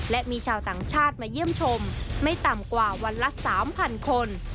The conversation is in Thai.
และมีชาวต่างชาติมาเยี่ยมชมไม่ต่ำกว่าวันละ๓๐๐คน